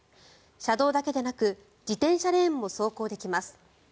車道だけでなく自転車レーンも走行できます。